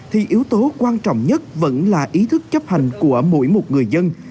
thì yếu tố quan trọng nhất vẫn là ý thức chấp hành của mỗi một người dân